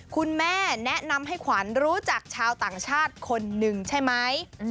คุณแม่แนะนำให้ขวัญรู้จักชาวต่างชาติคนหนึ่งใช่ไหม